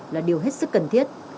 là điều hết sức cần thiết